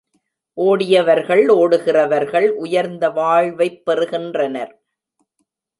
ஒடியவர்கள், ஓடுகிறவர்கள் உயர்ந்த வாழ்வைப் பெறுகின்றனர்.